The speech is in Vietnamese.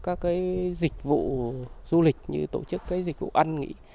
các dịch vụ du lịch như tổ chức dịch vụ ăn nghỉ